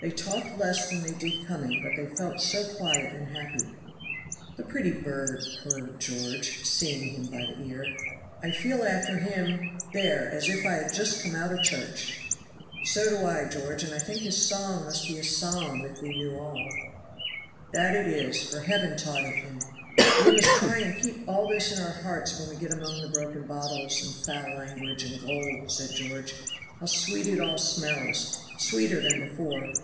They talked less than they did coming, but they felt so quiet and happy. "The pretty bird," purred George (seeing him by the ear), "I feel after him there as if I had just come out o' church." "So do I, George, and I think his song must be a psalm, if we knew all." "That it is, for Heaven taught it him. We must try and keep all this in our hearts when we get among the broken bottles, and foul language, and gold," says George. "How sweet it all smells, sweeter than before."